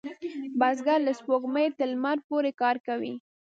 بزګر له سپوږمۍ تر لمر پورې کار کوي